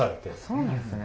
そうなんすね。